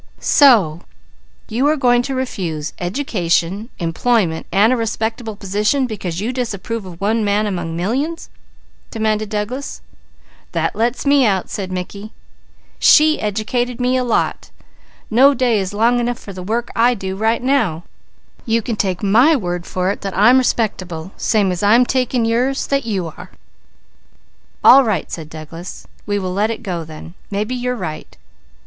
"So you are going to refuse education, employment and a respectable position because you disapprove of one man among millions?" demanded Douglas. "That lets me out," said Mickey. "She educated me a lot! No day is long enough for the work I do right now; you can take my word for it that I'm respectable, same as I'm taking yours that you are." "All right!" said Douglas. "We will let it go then. Maybe you are right.